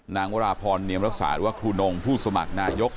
วราพรเนียมรักษาหรือว่าครูนงผู้สมัครนายก